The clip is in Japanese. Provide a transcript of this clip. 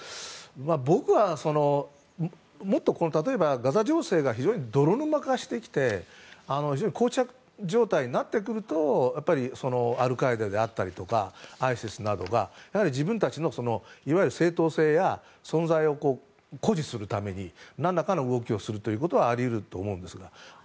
僕はもっとガザ情勢が非常に泥沼化してきて非常に膠着状態になってくるとアルカイダであったりだとかＩＳＩＳなどが自分たちの正当性や存在を誇示するために何らかの動きをするということはあり得ると思うんです。